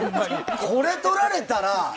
これとられたら。